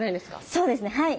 そうですねはい。